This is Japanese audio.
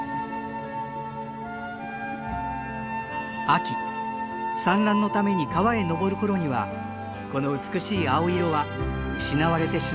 秋産卵のために川へ上る頃にはこの美しい青色は失われてしまいます。